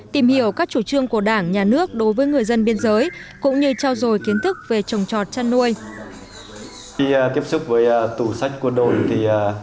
tìm hiểu các chủ trương của đảng nhà nước đối với người dân biên giới